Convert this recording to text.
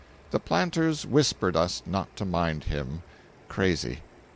The planters whispered us not to mind him—crazy.